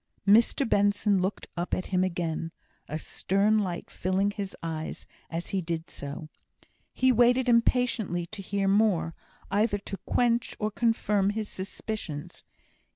Mr Benson looked up at him again, a stern light filling his eyes as he did so. He waited impatiently to hear more, either to quench or confirm his suspicions.